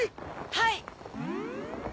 はい！